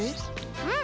うん。